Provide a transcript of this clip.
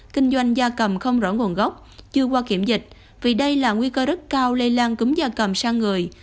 kinh doanh da cầm không rõ nguồn gốc chưa qua kiểm dịch vì đây là nguy cơ rất cao lây lan cúm da cầm sang người